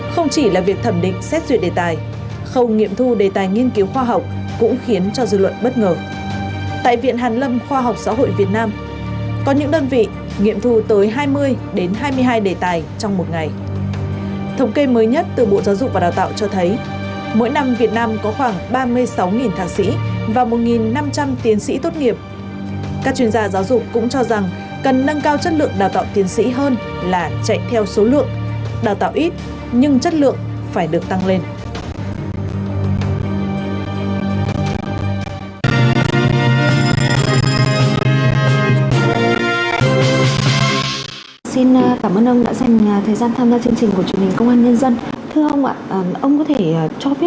không chỉ là việc thẩm định xét duyệt đề tài không nghiệm thu đề tài nghiên cứu khoa học